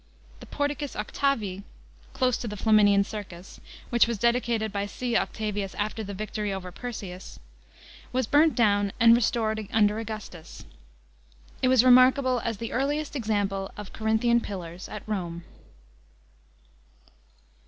The Portions Octavii (close to the Flaminian Circus), which was dedicated by Cn. Octavius after the victory over Perseus, was burnt down and restored un»ler Augustus. It was remarkable as the earliest example of Corinthian pillars at Rome.